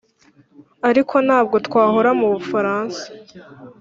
ariko ntabwo twahora mu bufaransa